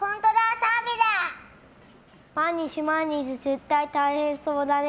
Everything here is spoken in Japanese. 毎日毎日絶対大変そうだね。